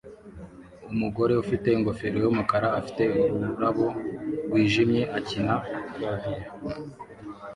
Umugore ufite ingofero yumukara afite ururabo rwijimye akina clavier